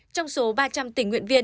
trong số ba trăm linh tình nguyện viên